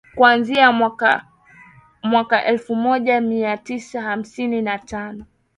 kuanzia mwaka elfu moja mia tisa hamsini na tano